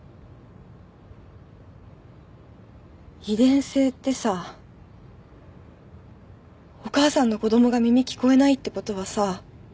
遺伝性ってさお母さんの子供が耳聞こえないってことはさ